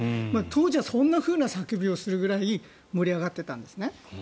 当時はそんなふうな叫びをするぐらい盛り上がっていたんですね。